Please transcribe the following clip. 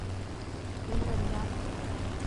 Мин бында...